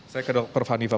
saya ke dokter fafnifah